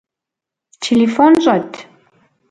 Телефон щӏэт?